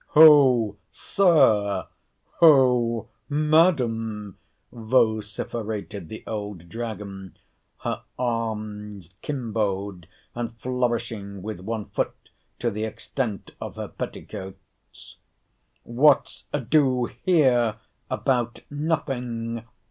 — Hoh, Sir! Hoh, Madam! vociferated the old dragon, her armed kemboed, and flourishing with one foot to the extent of her petticoats—What's ado here about nothing!